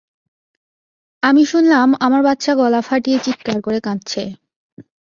আমি শুনলাম, আমার বাচ্চা গলা ফাটিয়ে চিৎকার করে কাঁদছে।